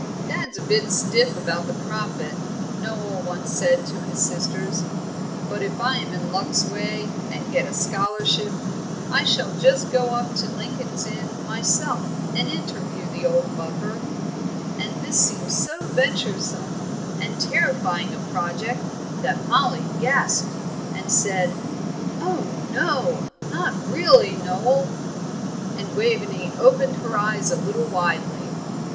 "Dad's a bit stiff about the Prophet," Noel once said to his sisters, "but if I am in luck's way and get a scholarship, I shall just go up to Lincoln's Inn myself and interview the old buffer;" and this seemed so venturesome and terrifying a project that Mollie gasped, and said, "Oh, no, not really, Noel!" and Waveney opened her eyes a little widely.